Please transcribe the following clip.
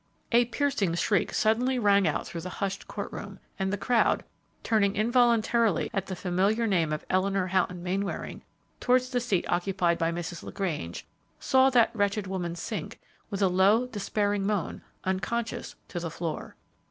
A piercing shriek suddenly rang out through the hushed court room, and the crowd, turning involuntarily at the familiar name of Eleanor Houghton Mainwaring towards the seat occupied by Mrs. LaGrange, saw that wretched woman sink, with a low, despairing moan, unconscious to the floor.